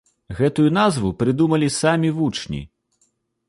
Гэтую назву прыдумалі самі вучні.